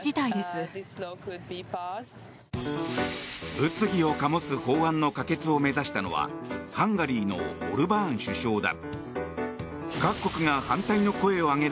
物議を醸す法案の可決を目指したのはハンガリーのオルバーン首相だ。